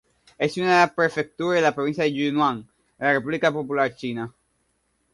Es una ciudad-prefectura en la provincia de Yunnan, República Popular China.